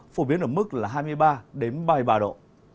phổ biến ở mức là hai mươi ba đến ba mươi ba độ